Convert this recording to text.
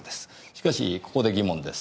しかしここで疑問です。